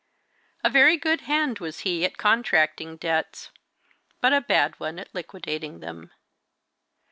A very good hand was he at contracting debts, but a bad one at liquidating them.